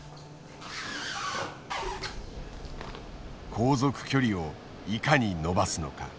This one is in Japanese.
航続距離をいかに伸ばすのか。